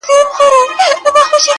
پرې اوښتي دي وختونه او قرنونه.!